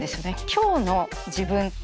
今日の自分。